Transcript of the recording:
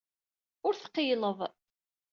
Ur tqeyyleḍ.